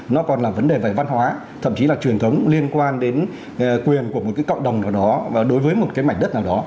nó còn là vấn đề về văn hóa thậm chí là truyền thống liên quan đến quyền của một cái cộng đồng nào đó và đối với một cái mảnh đất nào đó